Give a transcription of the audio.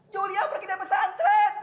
julia pergi dari pesantren